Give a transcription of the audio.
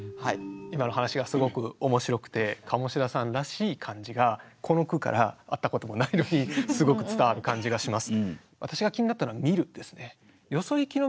今の話がすごく面白くてカモシダさんらしい感じがこの句から会ったこともないのにすごく伝わる感じがします。